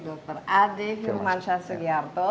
dokter ade firman shah sugiarto